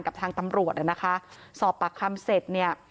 กับทางตำรวจอ่ะนะคะสอบปากคำเสร็จเนี่ย